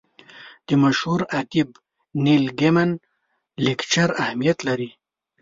د مشهور ادیب نیل ګیمن لیکچر اهمیت لري.